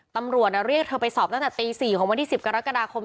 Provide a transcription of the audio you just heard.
ตำรวจเรียกเธอไปสอบตั้งแต่ตี๔ของวันที่๑๐กรกฎาคม